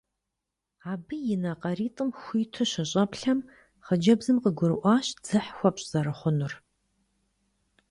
Абы и нэ къаритӀым хуиту щыщӀэплъэм, хъыджэбзым къыгурыӀуащ дзыхь хуэпщӀ зэрыхъунур.